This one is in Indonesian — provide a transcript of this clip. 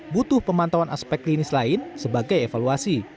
butuh pemantauan aspek klinis lain sebagai evaluasi